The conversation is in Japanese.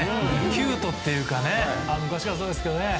キュートっていうか昔からそうですけどね。